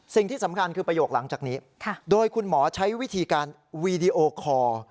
สิ่งที่สำคัญคือประโยคหลังจากนี้โดยคุณหมอใช้วิธีการวีดีโอคอร์